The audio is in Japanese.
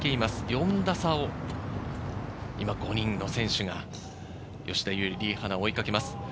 ４打差を今５人の選手が吉田優利、リ・ハナを追いかけます。